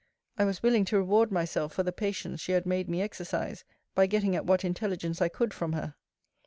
I was willing to reward myself for the patience she had made me exercise, by getting at what intelligence I could from her.